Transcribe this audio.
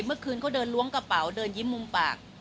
เมื่อคืนเขาเดินล้วงกระเป๋าเดินยิ้มมุมปาก